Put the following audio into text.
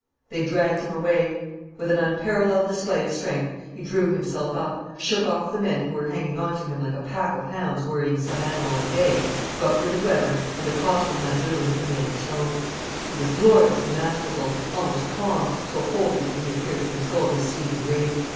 They dragged him away. With an unparalleled display of strength, he drew himself up, shook off the men who were hanging on to him like a pack of hounds worrying some animal at bay, got rid of Weber, and accosted Mazeroux in familiar tones. He was gloriously masterful, almost calm, so wholly did he appear to control his seething rage.